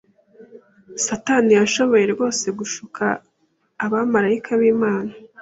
Satani yashoboye rwose gushuka abamarayika b’Imana,